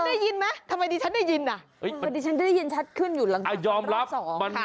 ได้ยินไหมทำไมดิฉันได้ยินอ่ะพอดีฉันได้ยินชัดขึ้นอยู่หลังยอมรับ